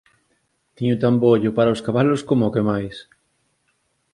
Teño tan bo ollo para os cabalos coma o que máis.